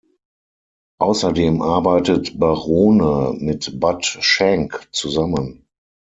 Außerdem arbeitet Barone mit Bud Shank zusammen.